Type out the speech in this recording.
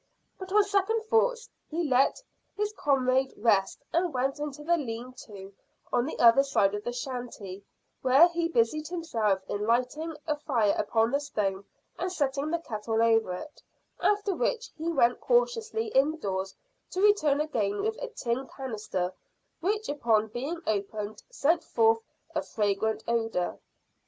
But on second thoughts he let his comrade rest and went into the lean to on the other side of the shanty, where he busied himself in lighting a fire upon the stone and setting the kettle over it, after which he went cautiously indoors, to return again with a tin canister, which upon being opened sent forth a fragrant odour.